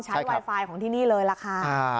ไวไฟของที่นี่เลยล่ะค่ะ